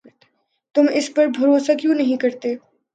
تم اس پر بھروسہ کیوں نہیں کرتے؟